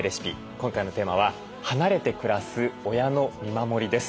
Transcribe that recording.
今回のテーマは離れて暮らす親の見守りです。